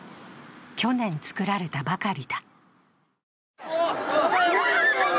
去年作られたばかりだ。